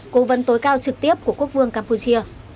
cố vấn tối cao trực tiếp của quốc vương campuchia